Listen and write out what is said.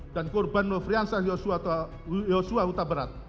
dan korban nofriansah yosua utabarat